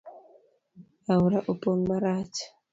Aora opong marach.